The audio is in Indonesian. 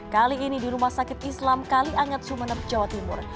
kali ini di rumah sakit islam kaliangat sumeneb jawa timur